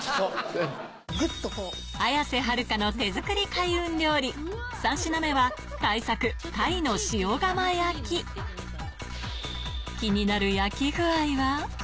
綾瀬はるかの手作り開運料理３品目は大作気になる焼き具合は？